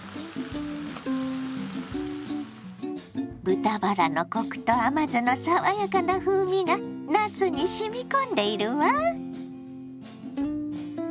豚バラのコクと甘酢の爽やかな風味がなすにしみ込んでいるわ。